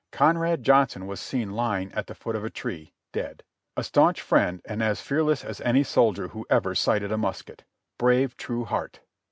Conrad Johnson was seen lying at the foot of a tree, dead. A staunch friend, and as fearless as any soldier who ever sighted musket! Brave, true heart!